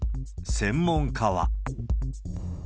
専門家は。